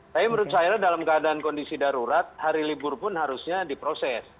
tapi menurut saya dalam keadaan kondisi darurat hari libur pun harusnya diproses